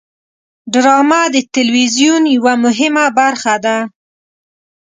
ډرامه د تلویزیون یوه مهمه برخه ده